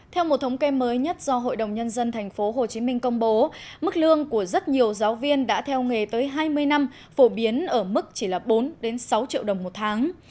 theo một thống kê mới nhất do hội đồng nhân dân tp hcm công bố mức lương của rất nhiều giáo viên đã theo nghề tới hai mươi năm phổ biến ở mức chỉ là bốn sáu triệu đồng một tháng